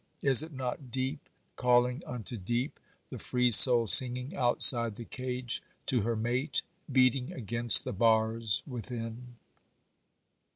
Is it not deep calling unto deep? the free soul singing outside the cage to her mate, beating against the bars within?